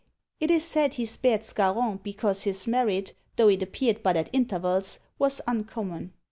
It is said he spared Scarron because his merit, though it appeared but at intervals, was uncommon.